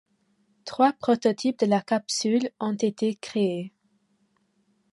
Trois prototypes de la capsule ont été créés.